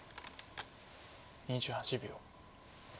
２８秒。